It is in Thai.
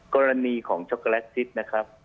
กรณีของช็อกโกแลตทิศนะครับ